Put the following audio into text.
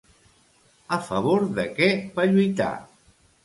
A favor de què va lluitar?